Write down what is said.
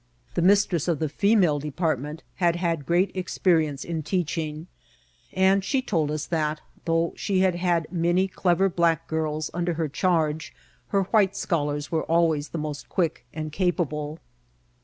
The mistress of the female department had had great experience in teaching ; and she told us that, though she had had many clever black girls under her charge, 8CSNS IN A COVETBOOM. IT hex white scholars were always the most quick and capable.